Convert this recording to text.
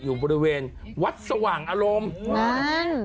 อยู่บริเวณวัดสว่างอารมณ์นั่น